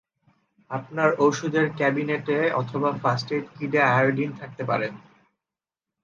আপনার ঔষধের ক্যাবিনেটে অথবা ফার্স্ট এইড কিট-এ আয়োডিন থাকতে পারে।